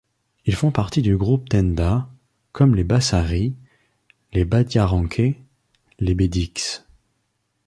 Ils font partie du groupe Tenda, comme les Bassaris, les Badiaranké, les Bédiks...